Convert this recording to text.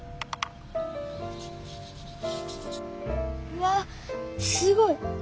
うわっすごい！